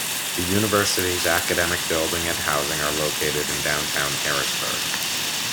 The university's academic building and housing are located in downtown Harrisburg.